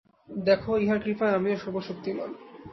দেখ, ইঁহার কৃপায় আমিও সর্বশক্তিমান্।